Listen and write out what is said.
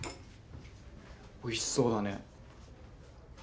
おいしそうだね。